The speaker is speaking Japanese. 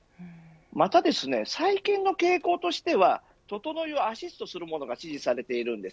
またですね、最近の傾向としてはととのいをアシストするものが支持されているんです。